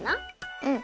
うん。